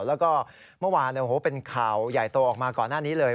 แล้วก็เมื่อวานเป็นข่าวใหญ่โตออกมาก่อนหน้านี้เลย